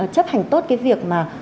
chấp hành tốt cái việc mà